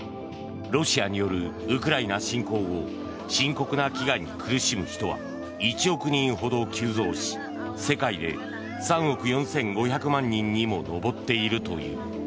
ロシアによるウクライナ侵攻後深刻な飢餓に苦しむ人は１億人ほど急増し世界で３億４５００万人にも上っているという。